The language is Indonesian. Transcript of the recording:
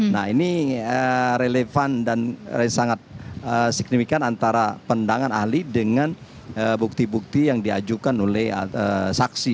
nah ini relevan dan sangat signifikan antara pendangan ahli dengan bukti bukti yang diajukan oleh saksi